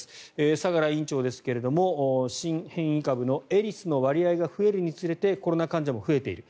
相良院長ですが新変異株のエリスの割合が増えるにつれてコロナ患者も増えている。